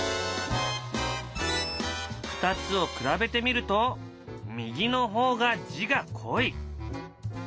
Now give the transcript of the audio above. ２つを比べてみると右の方が字が濃い。